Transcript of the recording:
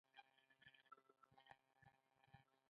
تیر ځل چې ته راغلی وې هغه مهال مو سره بانډار کړی وو.